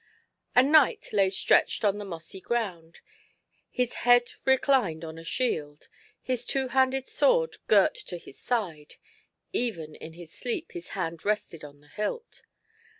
A knight lay stretched on the mossy gi'ound ; his liejvd reclined on a shield, his two handed sword girt to his side — even in sleep his hand rested on the hilt.